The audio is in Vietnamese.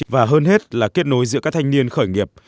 và hơn hết là kết nối giữa các thanh niên khởi nghiệp